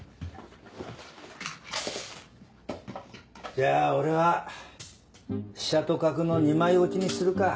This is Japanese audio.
じゃあ俺は飛車と角の二枚落ちにするか。